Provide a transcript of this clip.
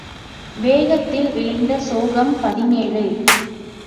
வேகத்தில் விளைந்த சோகம் பதினேழு .